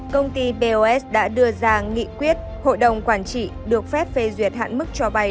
công ty bos đã đưa ra nghị quyết hội đồng quản trị được phép phê duyệt hạn mức cho vay